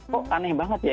kok aneh banget ya